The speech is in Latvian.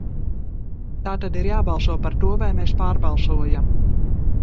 Tātad ir jābalso par to, vai mēs pārbalsojam.